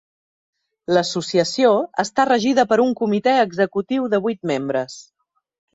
L'associació està regida per un comitè executiu de vuit membres.